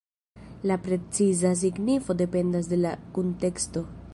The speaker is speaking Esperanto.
La preciza signifo dependas de la kunteksto.